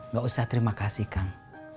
gak usah terima kasih kang